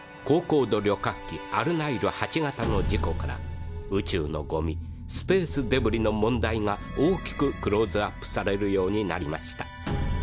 高々度旅客機アルナイル８型の事故から宇宙のゴミ「スペースデブリ」の問題が大きくクローズアップされるようになりました。